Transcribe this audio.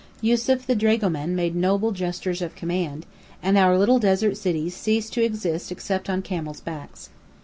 Yusef the dragoman made noble gestures of command, and our little desert city ceased to exist except on camels' backs.